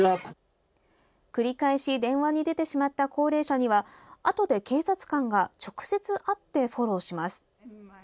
繰り返し電話に出てしまった高齢者にはあとで警察官が直接会ってフォローします。